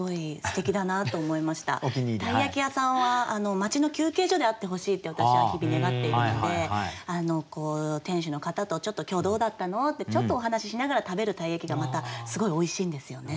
鯛焼屋さんは町の休憩所であってほしいって私は日々願っているので店主の方とちょっと今日どうだったの？ってちょっとお話ししながら食べる鯛焼がまたすごいおいしいんですよね。